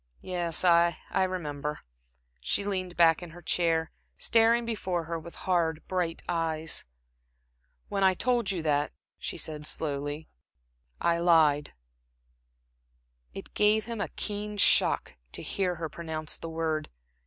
"Yes, I I remember." She leaned back in her chair, staring before her with hard, bright eyes. "When I told you that," she said, slowly "I I lied." It gave him a keen shock to hear her pronounce the word.